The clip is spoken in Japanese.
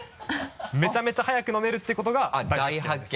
めちゃめちゃ早く飲めるっていうことが大発見です。